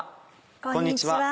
こんにちは。